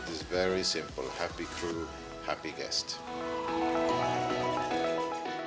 jadi rahasia sangat sederhana kru bahagia pelanggan bahagia